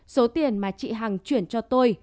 số tiền mà chị hằng chuyển cho tôi